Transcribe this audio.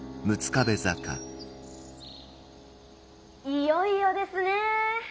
いよいよですねー！